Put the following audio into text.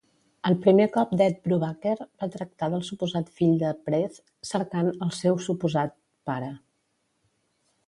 El primer cop d'Ed Brubaker va tractar del suposat fill de Prez cercant al seu suposat pare.